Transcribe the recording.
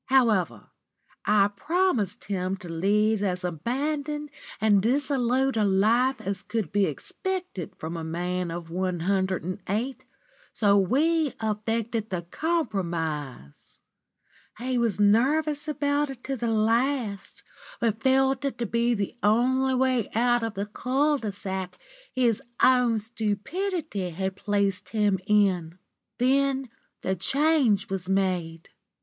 However, I promised him to lead as abandoned and dissolute a life as could be expected from a man of one hundred and eight, so we effected the compromise. He was nervous about it to the last, but felt it to be the only way out of the cul de sac his own stupidity had placed him in. Then the change was made.